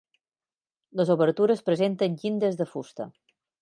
Les obertures presenten llindes de fusta.